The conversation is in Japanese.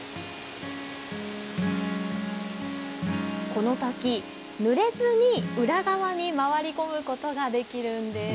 この滝、ぬれずに裏側に回り込むことができるんです。